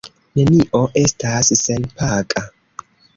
Nenio estas senpaga.